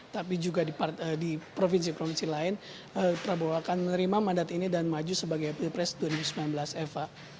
tapi juga di provinsi provinsi lain prabowo akan menerima mandat ini dan maju sebagai pilpres dua ribu sembilan belas eva